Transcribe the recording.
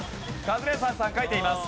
カズレーザーさん書いています。